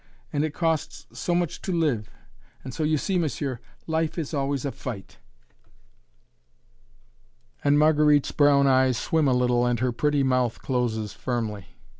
and it costs so much to live, and so you see, monsieur, life is always a fight." And Marguerite's brown eyes swim a little and her pretty mouth closes firmly.